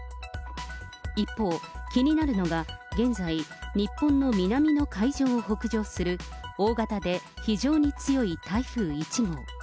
一方、気になるのが現在、日本の南の海上を北上する、大型で非常に強い台風１号。